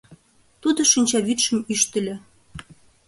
Тудо шинчавӱдшым ӱштыльӧ.